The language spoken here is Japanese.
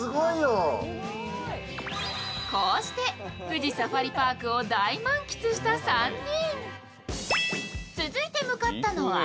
こうして富士サファリパークを大満喫した３人。